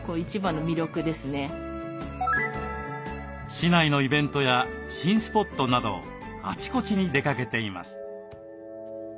市内のイベントや新スポットなどあちこちに出かけています。